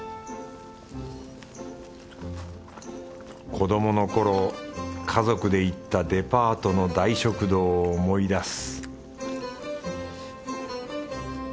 子どものころ家族で行ったデパートの大食堂を思い出す